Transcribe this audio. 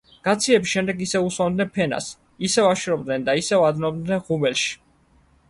გაციების შემდეგ ისევ უსვამდნენ ფენას, ისევ აშრობდნენ და ისევ ადნობდნენ ღუმელში.